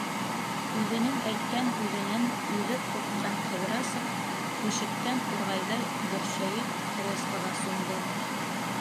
Үҙенең әйткән һүҙенән үҙе ҡурҡҡан Ҡыҙрасов күшеккән турғайҙай бөршәйеп креслоға сумды.